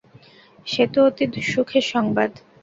সে তো অতি সুখের সংবাদ।